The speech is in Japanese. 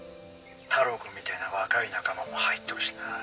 「太郎くんみたいな若い仲間も入っとるしな」